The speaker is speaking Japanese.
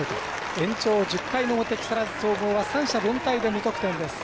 延長１０回の表木更津総合は三者凡退で無得点です。